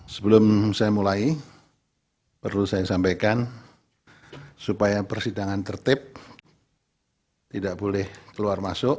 sebelum saya mulai perlu saya sampaikan supaya persidangan tertib tidak boleh keluar masuk